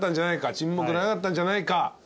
沈黙長かったんじゃないか。